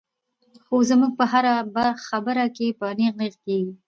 خو زمونږ پۀ هره خبره کښې به نېغ نېغ کيږي -